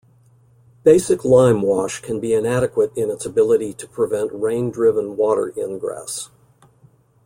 Basic limewash can be inadequate in its ability to prevent rain-driven water ingress.